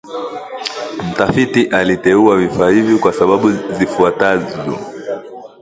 Mtafiti aliteua vifaa hivi kwa sababu zifuatazo